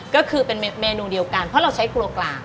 ก็คือเป็นเมนูเดียวกันเพราะเราใช้ครัวกลาง